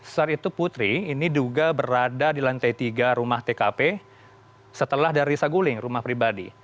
saat itu putri ini duga berada di lantai tiga rumah tkp setelah dari saguling rumah pribadi